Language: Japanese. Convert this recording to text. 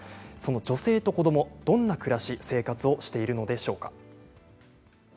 女性と子どもは、どんな暮らし生活をしているのでしょうか。